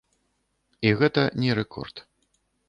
І гэта не рэкорд.